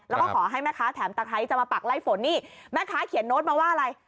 แล้วก็ขอให้แม่ค้าแถมตะไคร้จะมาปักไล่ฝนนี่แม่ค้าเขียนโน้ตมาว่าอะไร